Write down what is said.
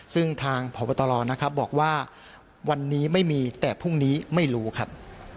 ซึ่งทางพบตรนะครับบอกว่าวันนี้ไม่มีแต่พรุ่งนี้ไม่รู้ครับ